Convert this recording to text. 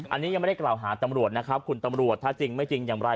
อันนี้ยังไม่ได้กล่าวหาตำรวจนะครับคุณตำรวจถ้าจริงไม่จริงอย่างไร